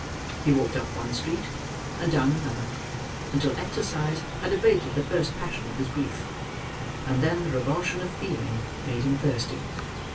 He walked up one street, and down another, until exercise had abated the first passion of his grief; and then the revulsion of feeling made him thirsty.